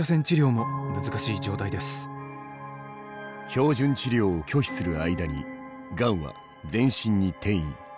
標準治療を拒否する間にがんは全身に転移。